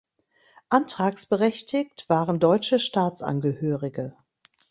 Antragsberechtigt waren deutsche Staatsangehörige.